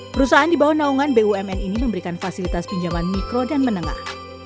perusahaan di bawah naungan bumn ini memberikan fasilitas pinjaman mikro dan menengah